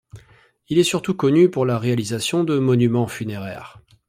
Il est surtout connu pour la réalisation de monuments funéraires.